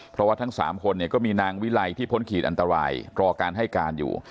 เพราะว่าทั้ง๓คนเนี่ยก็มีนางวิไลที่พ้นขีดอันตรายรอการให้การอยู่